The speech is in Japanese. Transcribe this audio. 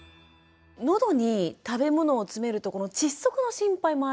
喉に食べ物を詰めると窒息の心配もありますよね。